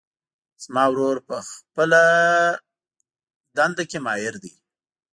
زما ورور په خپلهدنده کې ماهر ده